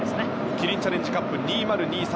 キリンチャレンジカップ２０２３